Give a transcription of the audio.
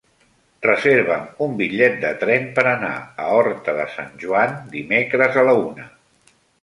Reserva'm un bitllet de tren per anar a Horta de Sant Joan dimecres a la una.